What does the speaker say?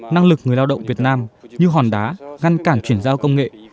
năng lực người lao động việt nam như hòn đá ngăn cản chuyển giao công nghệ